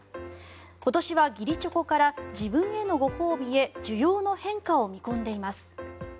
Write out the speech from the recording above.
今年は義理チョコから自分へのご褒美へ需要の変化を見込んでいます。